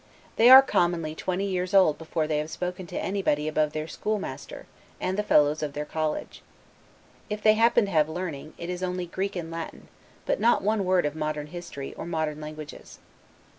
They are commonly twenty years old before they have spoken to anybody above their schoolmaster, and the fellows of their college. If they happen to have learning, it is only Greek and Latin, but not one word of modern history, or modern languages.